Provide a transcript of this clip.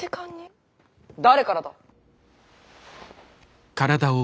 誰からだ？